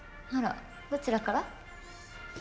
あらどちらから？